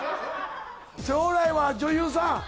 将来は女優さん？